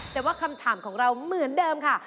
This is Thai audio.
แต่ว่าคำถามของเราเหมือนเดิมค่ะ